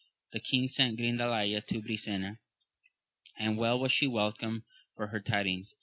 The king sent Grrinda laya to Brisena, and well was she welcomed for her tidings.